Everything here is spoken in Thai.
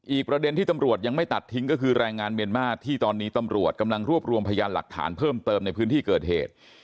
อีกประเด็นที่ตำรวจยังไม่ตัดทิ้งก็คือแรงงานเมียนมาร์ที่ตอนนี้ตำรวจกำลังรวบรวมพยานหลักฐานเพิ่มเติมในพื้นที่เกิดเหตุ